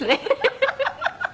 ハハハハ。